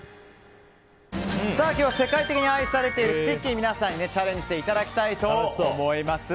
今日は世界的に愛されているスティッキー皆さんにチャレンジしていただきたいと思います。